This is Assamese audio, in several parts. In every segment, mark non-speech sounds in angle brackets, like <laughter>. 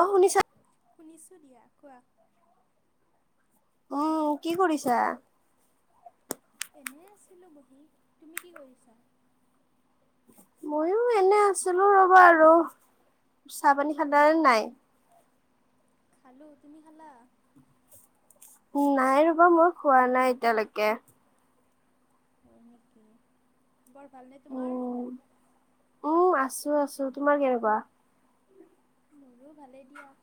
অ' শুনিছা? শুনিছোঁ দিয়া, কোৱা। উম, কি কৰিছা? এনে আছিলোঁ বহি, তুমি কি কৰিছা? মইয়ো এনে আছিলোঁ ৰ'বা আৰু। চাহ পানী খালানে নাই? খালোঁ, তুমি খালা? উম, নাই ৰ'বা মই খোৱা নাই এতিয়ালৈকে। হয় নেকি, খবৰ ভালনে তোমাৰ? উম উম আছো- আছো তোমাৰ কেনেকুৱা? মোৰো ভালেই দিয়া।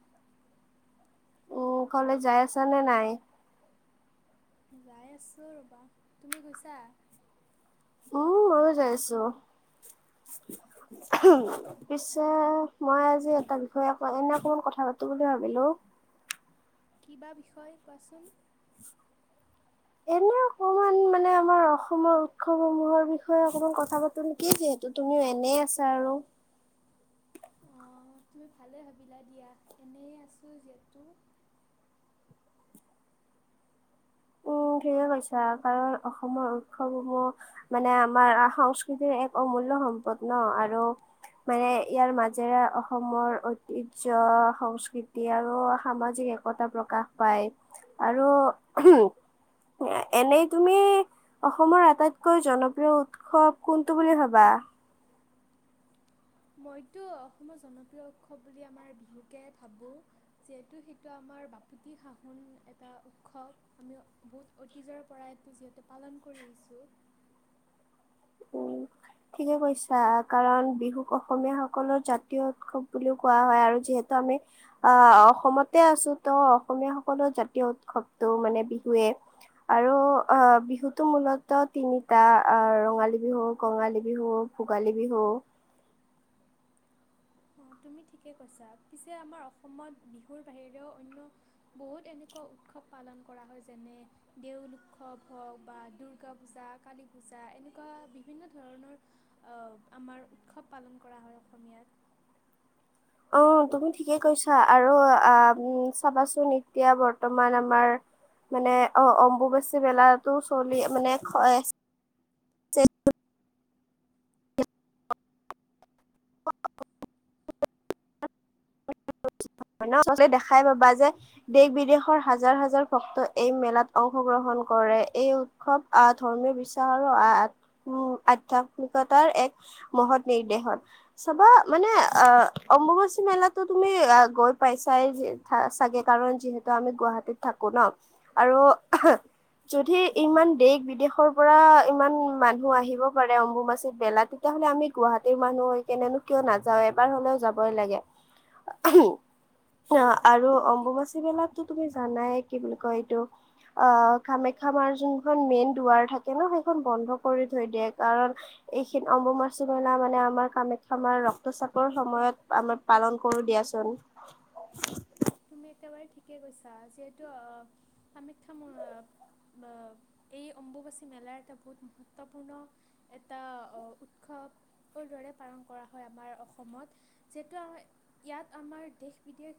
উম কলেজ যাই আছা নে নাই? যাই আছো ৰ'বা তুমি গৈছা? উম, যাই আছো অঁ পিছে মই আজি এটা বিষয়ে অক-এনে অকমান কথা পাতোঁ বুলি ভাবিলোঁ। কি বা বিষয়, কোৱাচোন। এনে অকমান মানে আমাৰ অসমৰ উৎসৱসমূহৰ বিষয়ে অকমান কথা পাতো নেকি তুমিও এনেই আছা আৰু। অ', তুমি ভালেই ভাবিলা দিয়া, এনেই আছোঁ যিহেতু। অঁ। ঠিকে কৈছা কাৰণ অসমৰ উৎসৱসমূহ মানে আমাৰ সংস্কৃতিৰ এক অমূল্য সম্পদ ন আৰু মানে ইয়াৰ মাজেৰে অসমৰ ঐতিহ্য, সংস্কৃতি আৰু সামাজিক একতা প্ৰকাশ পায় আৰু এনেই তুমি অসমৰ আটাইতকৈ জনপ্ৰিয় উৎসৱ কোনটো বুলি ভাবা? মইতো অসমৰ জনপ্ৰিয় উৎসৱ বুলি আমাৰ বিহুকে ভাৱোঁ, যিহেতু সেইটো আমাৰ আমাৰ বাপতি সাহোন এটা উৎসৱ আমি বহুত অতিজৰ পৰাটো যিহেতু পালন কৰি আহিছোঁ। উম। ঠিকে কৈছা কাৰণ বিহুক অসমীয় সকলৰ জাতীয় উৎসৱ বুলিও কোৱা হয় আৰু যিহেতু ত' আমি আহ অসমতে আছো ত' অসমীয়া সকলো জাতীয় উৎসৱতটো মানে বিহুৱে আৰু অ' বিহুতো মূলত তিনিটা ৰঙালী বিহু, কঙালী বিহু, ভোগালী বিহু অ', তুমি ঠিকেও কৈছা, পিছে আমাৰ অসমত বিহুৰ বাহিৰেও অন্য বহুত এনেকুৱা উৎসৱ পালন কৰা হয়, যেনে-দেউল উৎসৱ হওঁক বা দুৰ্গা-পূজা, কালী-পূজা। এনেকুৱা বিভিন্ন ধৰণৰ আমাৰ উৎসৱ পালন কৰা হয় অসমীয়াত। অ তুমি ঠিকেই কৈছা, আৰু আহ চাবাচোন এতিয়া বৰ্তমান আমাৰ মানে অ অম্বুবাচী মেলাটো চলি মানে হয় আছে। <unintelligible> <unintelligible> <unintelligible> চবতে দেখাই পাবা যে, দেশ- বিদেশৰ হাজাৰ হাজাৰ ভক্ত এই মেলাত অংশগ্ৰ গ্ৰহণ কৰে এই উৎসৱ আহ ধৰ্মীয় বিশ্বাস আৰু উম আধ্যাত্মিকতাৰ এক মহৎ নিৰ্দেশন। চাবা মানে অ অম্বুবাচী মেলাতো তুমি গৈ পাইছাই চাগে কাম কাৰন যিহেতু আমি গুৱাহাটীত থাকো ন আৰু যদি ইমান দেশ -বিদেশৰ পৰা ইমান মানুহ আহিব পাৰে অম্বুবাচি মেলাত তেতিয়া তেতিয়াহলে আমি গুৱাহাটীৰ মানুহ হৈ এনেনো কিয় নাযাওঁ এবাৰ হলেও যাবই লাগে। <unintelligible> আৰু ঠিক অম্বুবাচী মেলাত তুমি জানাই কি বুলি কয় এইটো অ কামাখ্যা মাৰ যোনখন মেইন দুৱাৰ থাকে ন সেই বন্ধ কৰি থৈ দিয়ে। কাৰণ এইখন অম্বুবাছি মেলা মানে আমাৰ কামাখ্যা মাৰ ৰক্তচাপৰ সময়ত আমাৰ পালন কৰো দিয়াচোন। তুমি একেবাৰে ঠিকে কৈছা যিহেতু অহ কামাখ্যা মাৰ এই অম্বুবাচী মেলাৰ এটা বহুত মহত্বপূৰ্ণ এটা অ উৎসৱ দৰে পালন কৰা হয় আমাৰ অসমত, যিহেতু আমাৰ ইয়াত আমাৰ দেশ বিদেশ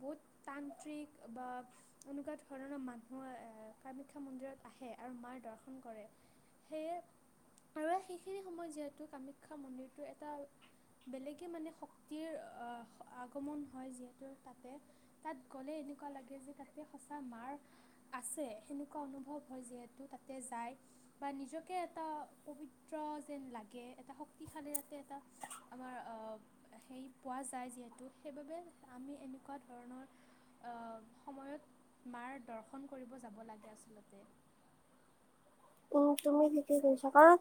বহুত তান্ত্ৰিক বা এনেকুৱা ধৰণৰ মানুহ এ কামাখ্যা মন্দিৰত আহে আৰু মাৰ দৰ্ দৰ্শন কৰে। সেয়ে <inaudible> আৰু সেইখিনি সময়ত যিহেতু কামাখ্যা মন্দিৰটো এটা বেলেগে মানে শক্তিৰ আগমন হয় যিহেতু তাত তাত গ'লে এনেকুৱা লাগে যে তাতে সঁচা মা আছে সেনেকুৱা অনুভৱ হয়। যিহেতু তাতে যাই বা নিজকে এটা পৱিত্ৰ যেন লাগে এটা শক্তিশা শালি তাতে এটা আমাৰ হেৰি পোৱা যায় যিহেতু সেইবাবে আমি এনে। এনেকুৱা ধৰণৰ। অ সময়ত মাৰ দৰ্শন কৰিব যাব লাগে আচলতে। <unintelligible> উম তুমি ঠিকে কৈছা কাৰণ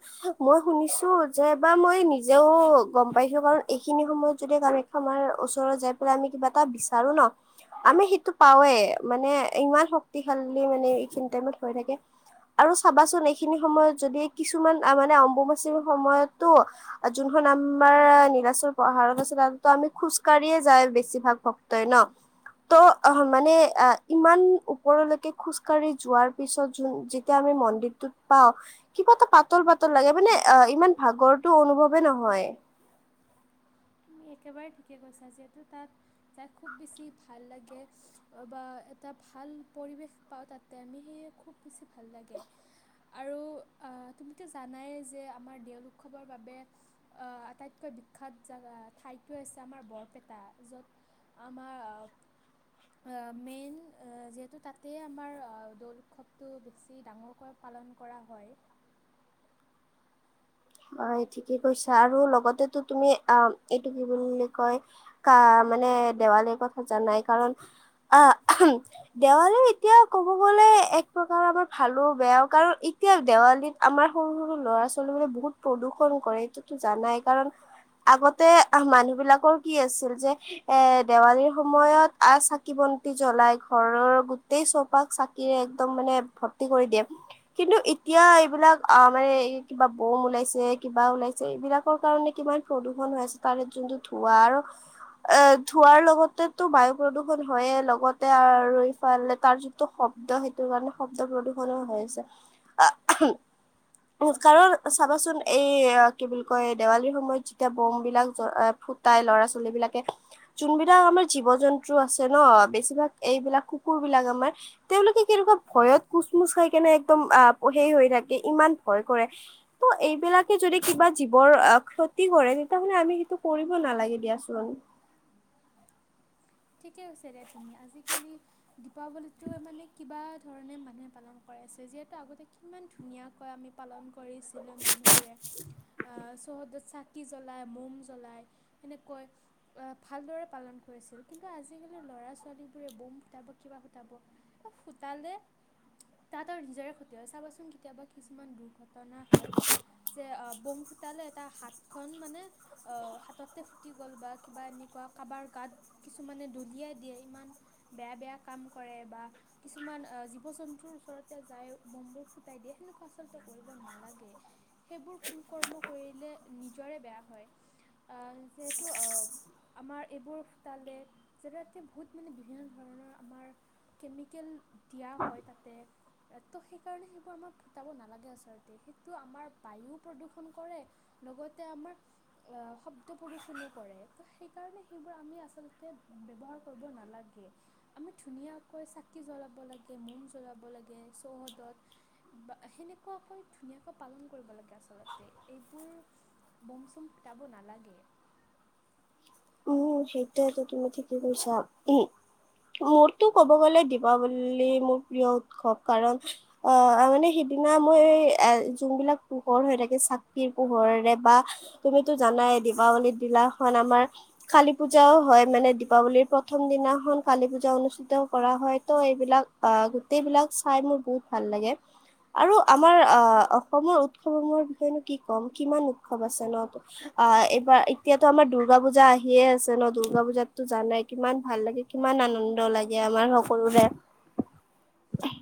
মই শুনিছো যে এবাৰ মই নিজেও গম পাইছো। কাৰণ এইখিনি সময়ত যদি কামাখ্যা মাৰ ওপৰত যাই পেলাই আমি কিবা এটা বিচাৰো ন। আমি সেইটো পাওঁৱে মানে ইমান শক্তিশালী মানে এইখিনি টাইমত হৈ থাকে। আৰু ভাবা চোন এইখিনি সময়ত যদি কিছুমান মানে অম্বুমাচিৰ সময়তো যোনখন আম আমাৰ নীলাচৰ পাহাৰত আছে তাতো আমি খোজকাঢ়িয়ে যায় বেছিভাগ ভক্তই ন ত' অ মানে আ ইমান ওপৰলৈকে খোজকাঢ়ি যোৱাৰ পিছত যোন যেতিয়া আমি মন্ দিৰ টোত পাওঁ কিবা এটা পাতল, পাতল লাগে ইপিনে অ ইমান ভাগৰটো অনুভৱে নহয়। <unintelligible> তুমি একেবাৰে ঠিকে কৈছা, যিহেতু তাত যাই খুব বেছি ভাল লাগে বা এটা। এটা ভাল পৰিৱেশ পাওঁ তাতে আমি সেয়ে খুব বেছি ভাল লাগে। আৰু আহ তুমিতো জানাই যে আমাৰ দেওল উৎসৱৰ বাবে আহ আটাইতকৈ বিখ্যাত জাগা ঠাইটোৱে হৈছে আমাৰ বৰপেটা য'ত আমাৰ আ মেইন যিহেতু তাতেই আমাৰ দৌল উৎসৱটো বেছি ডাঙৰকৈ পা পালন কৰা হয়। <unintelligible> হয় ঠিকে কৈছা। আৰু লগতেতো তুমি অ এইটো কি বুলি কয় কামাখ্যা। মানে দেৱালীৰ কথা জানাই কাৰণ আহ দেৱালীও এতিয়া ক'ব গ'লে এক প্ৰকাৰ আমাৰ ভালো বেয়াও কাৰণ এতিয়া দেৱালীত আমাৰ সৰু সৰু ল'ৰা ছোৱালী বোৰে বহুত প্ৰদূ্ষন কৰে এইটোতো জানাই কাৰণ আগতে মানুহ বিলাকৰ কি আছিল যে এ দেৱালীৰ সময়ত আ চাকিব বাতি জ্বলাই ঘৰৰ গোটেই চৌপাক চাকিৰে একদম মানে ভৰ্তি কৰি দিয়ে কিন্তু এতিয়া এইবিলাক অ মানে কিবা বম ওলাইছে। কিবা ওলাইছে এইবিলাকৰ কাৰণে কিমান প্ৰদূষণ হৈ আছে তাৰে যোনটো ধোৱা আৰু। এ ধোৱাৰ লগতেতো বায়ু প্ৰদূষণ হয়য়ে লগতে আৰু এইফালে তাৰ যিটো শব্দ শব্দ সেইটোৰ কাৰণে শব্দ প্ৰদূ্ষণো হৈ আছে। উ কাৰণ চাবাচোন এই কি বুলি কয় দেৱালীৰ সময়ত যেতিয়া বম বিলাক ফুটাই লৰা ছোৱালী বিলাকে যোনবিলাক আমাৰ জীৱ জন্তু আছে ন বেছিভাগ এইবিলাক কুকুৰ বিলাক আমাৰ তেওঁলোকে কি ভয়ত কোচমোচ খাই কেনে একদম সেই হৈ থাকে ইমান ভয় কৰে ত' এইবিলাক যদি কিবা জীৱৰ আহ ক্ষতি কৰে তেতিয়া হ'লে আমি সেইটো কৰিব নালাগে দিয়াচোন। <unintelligible> ঠিকে হৈছে দে তুমি আজিকালি দীপাৱলীতোয়ে মানে কিবা ধৰণে মানুহে পালন কৰাইছে যিহেতু আগতে কিমান ধুনীয়াকৈ আমি পালন কৰিছিলে মানুহবোৰে চৌহদত চাকি জ্বলাই মম জ্বলাই সেনেকৈ ভালদৰে পালন কৰিছিল। কিন্তু আজিকালি ল'ৰা ছোৱালীবোৰে বোম ফুটাব কিবা ফুটাব ফুটালে তাত আৰু নিজৰে ক্ষতি হয় চাবাচোন কেতিয়াবা কিছুমান দুৰ্ঘটনা হয়। যে বম ফুটালে এটা হাত খন মানে অ হাততে ফুটি গ'ল বা কিবা এনো কাবাৰ গাত কিছুমানে দলিয়াই দিয়ে ইমান বেয়া বেয়া কাম কৰে বা কিছুমান জীৱ জন্তুৰ ওচৰতে যাই বম বোৰ ফুটাই দিয়ে সেনেকুৱা আচলতে কৰিব নালাগে সেইবোৰ কু কৰ্ম। কৰিলে নিজৰে বেয়া হয় যিহেতু আমাৰ এইবোৰ তালৈ যেতে এতিয়া বহুত মানে বিভিন্ন ধৰণৰ আমাৰ কেমিকেল দিয়া হয় তাত তে ত' সেইকাৰণে সেইবোৰ আমাৰ ফুটাব নালাগে আচলতে সেইটো আমাৰ বায়ু প্ৰদূষণ কৰে লগতে আমাৰ অ শব্দ প্ৰদূষনো কৰে ত সেইকাৰণে সেইবোৰ আমি আ ব্যৱহাৰ কৰিব নালাগে। আমি ধুনীয়াকৈ চাকি জ্বলাব লাগে মম জ্বলাব চৌহদত সেনেকোৱাকৈ ধুনীয়াকৈ পালন কৰিব লাগে আচলতে <unintelligible> বুমচুম ফুটাবো নালাগে। <unintelligible> উম সেইটোৱেইটো তুমি ঠিকে কৈছা উম। মোৰতো ক'ব গ'লে দীপাৱলী মোৰ প্ৰিয় উৎসৱ কাৰণ আহ মানে সেদি সিদিনা মই এ যোনবিলাক পোহৰ হৈ থাকে চাকিৰ পোহৰেৰে বা তুমিতো জানাই দীপাৱলীত দিলা না আমাৰ কালী পূজাও হয় মানে দীপাৱলীৰ প্ৰথম দিনাখন কালী পূজা অনুষ্ঠিত কৰা হয় হয়তো এইবিলাক অ গোটেই বিলাক চাই মোৰ বহুত ভাল লাগে আৰু আমাৰ আহ অসমৰ উৎসৱসমূহৰ বিষয়েনো কি ক'ম কিমান উৎসৱ আছে ন আহ এইবাৰ এতিয়া। ত আমাৰ দুৰ্গা পূজা আহিয়ে আছে ন দুূৰ্গা পূজাতো জানাই কিমান ভাল লাগে কিমান আনন্দ লাগে আমাৰ নকৰো দে।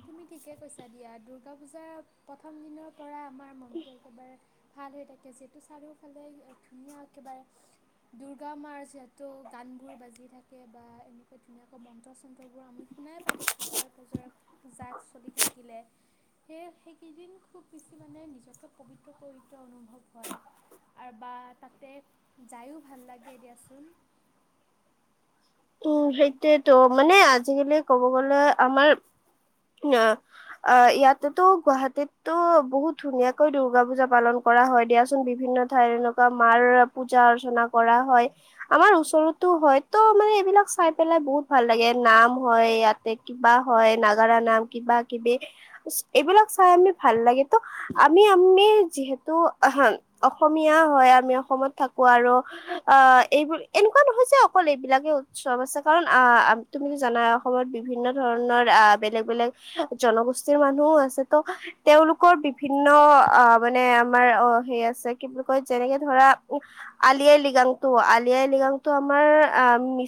তুমি ঠিকে কৈছা দিয়া দুূৰ্গা পূজাৰ প্ৰথম দিনৰ পৰা আমাৰ মনটো একেবাৰে ভাল হৈ থাকে যিহেতু চাৰিওফালে ধুনীয়া একেবাৰে দুৰ্গা মাৰ যিহেতু গানটো গানবোৰ বাজি থাকে বা এনেকা ধুনীয়াকৈ মন্ত্ৰ চন্ত্ৰবোৰ আমি শুনাই পাই থাকোঁ ওচৰে পাঁজৰে তাত চলি থাকিলে। সেয়ে সেইকেইদিন খুব বেছি মানে নিজকে পবিত্ৰ পবিত্ৰ অনুভৱ হয়। বা তাতে যায়ো ভাল লাগে দিয়াচোন <inaudible> উম, সেইটোয়েতো, মানে আজিকালি ক'ব গলে আমাৰ ন অ, ইয়াতেতো, গুৱাহাটীতো বহুত ধুনীয়াকৈ দুৰ্গা পুজা পালন কৰা হয় দিয়াচোন। বিভিন্ন বিভিন্ন ঠাই এনেকুৱা মাৰ পূজা অৰ্চনা কৰা হয়। আমাৰ ওচৰতো হয়তো মানে এইবিলাক চাই পেলাই বহুত ভাল লাগে। নাম হয়, ইয়াতে কিবা হয় নাগাৰা নাম কিবাকিবি এইবিলাক চাই আমি ভাল লাগে তো, আমি-আমি যিহেতু আহা অসম অসমীয়া হয়। আমি অসমত থাকো আৰু অ' এইবোৰ এনেকুৱা নহয় যে, অকল এইবিলাকে চব আছে কাৰণ, আহ, তুমিতো জানা অসমত বিভিন্ন ধৰণৰ আহ, বেলেগ-বেলেগ জনগোষ্ঠ ষ্ঠ মানুহও আছে। ত' তেওলোকৰ বিভিন্ন অ, মানে, আমাৰ অ, সেই আছে কি কয় যেনেকে ধৰা, আলি আইৰ লৃগাংটো, আলি আইৰ লৃগাংটো আমাৰ আ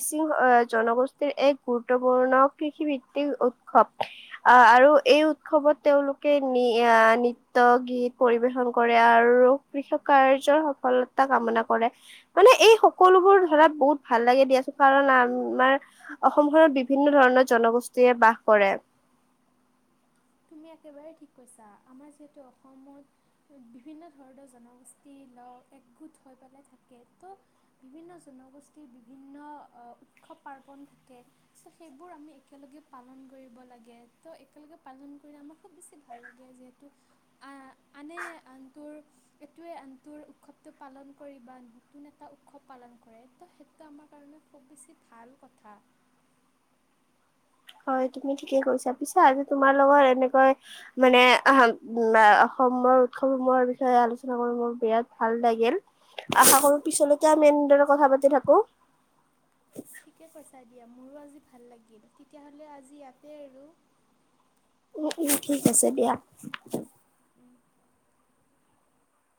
সিং জনগোষ্ঠীৰ এক গুৰুত্বপূৰ্ণ কৃষিভিত্তিক উৎসৱ আহ আৰু এই উৎসৱত তেওলোকে আহ' নৃত্য গীত পৰিবেশন কৰে আৰু কৃষক কাৰ্যৰ সফলতা কামনা কৰে। মানে এই সকলোবোৰ ধৰা বহুত ভাল লাগে দিয়া চ কাৰণ আমাৰ অসমখনত বিভিন্ন ধৰণৰ জনগোষ্ঠীয়ে বাস কৰে। <inaudible> তুমি একেবাৰেেই ঠিক কৈছা। আমাৰ যিহেতু অসমত বিভিন্ন ধৰণৰ জনগোষ্ঠী ল একগোট হৈ পেলাই থাকে। ত বিভিন্ন জনগোষ্ঠীৰ, বিভিন্ন আহ উৎসৱ প ন থাকে। ত সেইবোৰ আমি একেলগে পালন কৰিব লাগে। ত একেলগে পালন কৰিলে আমাৰ খুব বেছি ভাল লাগে। যিহেতু আ- আনে, আনটো এইটোৱে টো উৎসৱতটো পালন কৰি বা নতুন এটা উৎসৱ পালন কৰে ত সেইটো আমাৰ কাৰণে খুব বেছি বছ ভাল কথা। <inaudible> হয় তুমি ঠিকে কৈছা। পিছা যে তোমাৰ লগত এনেকৈ মানে সমৰ উৎসৱসমূহৰ বিষয়ে আলোচনা কৰি মোৰ বিৰাট ভাল লাগিল। আশা কৰো পিছলৈকে আমি এনেদৰে কথা পাতি থাকো। ঠিকে কৈছা দিয়া মোৰো আজি ভাল লাগিল তেতিয়াাহলে আজি ইয়াতে আৰু। উ-উ ঠিক আছে দিযয়া। উম